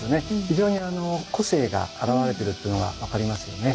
非常に個性が表れてるっていうのが分かりますよね。